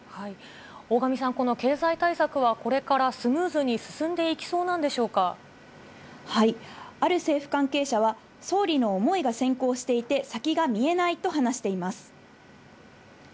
大神さん、この経済対策は、これからスムーズに進んでいきそうなんでしょうある政府関係者は、総理の思いが先行していて、先が見えないと話しています。